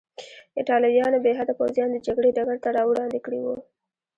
ایټالویانو بې حده پوځیان د جګړې ډګر ته راوړاندې کړي وو.